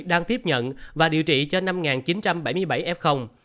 đang tiếp nhận và điều trị cho năm chín trăm bảy mươi bảy f